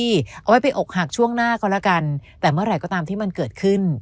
เอาไว้ไปอกหักช่วงหน้าก็แล้วกันแต่เมื่อไหร่ก็ตามที่มันเกิดขึ้น